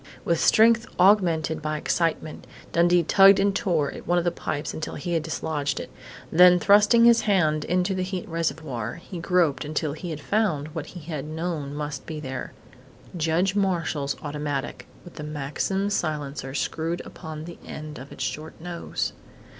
With strength augmented by excitement, Dundee tugged and tore at one of the pipes until he had dislodged it. Then thrusting his hand into the heat reservoir, he groped until he had found what he had known must be there Judge Marshall's automatic, with the Maxim silencer screwed upon the end of its short nose.